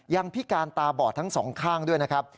พิการตาบอดทั้งสองข้างด้วยนะครับ